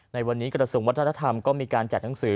ในวันนี้กระทรวงวัฒนธรรมก็มีการจัดหนังสือ